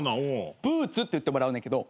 「ブーツ」って言ってもらうねんけど。